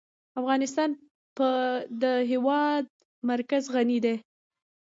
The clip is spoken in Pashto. افغانستان په د هېواد مرکز غني دی.